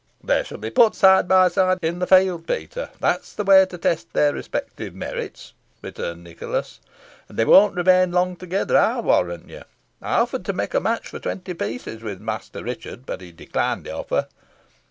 "They shall be put side by side in the field, Peter that's the way to test their respective merit," returned Nicholas, "and they won't remain long together, I'll warrant you. I offered to make a match for twenty pieces with Master Richard, but he declined the offer.